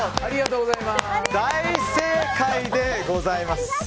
大正解でございます。